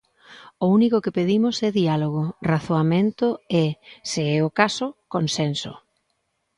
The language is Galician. O único que pedimos é diálogo, razoamento e, se é caso, consenso.